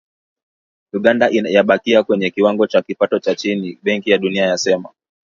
Uganda yabakia kwenye kiwango cha kipato cha chini, Benki ya Dunia yasema.